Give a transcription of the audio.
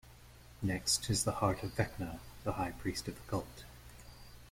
Next is the Heart of Vecna, the high priest of the cult.